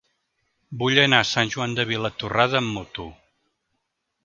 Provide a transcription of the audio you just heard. Vull anar a Sant Joan de Vilatorrada amb moto.